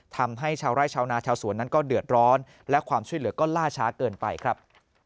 ทำให้ชาวไร่ชาวนาชาวสวนนั้นก็เดือดร้อนและความช่วยเหลือก็ล่าช้าเกินไปครับ